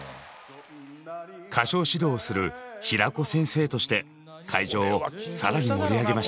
歌唱指導をする平子先生として会場を更に盛り上げました。